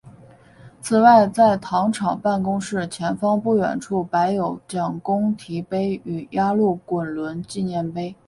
此外在糖厂办公室前方不远处摆有蒋公堤碑与压路滚轮纪念碑。